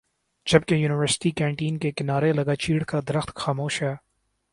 جبکہ university canteen کے کنارے لگا چیڑ کا درخت خاموش ہے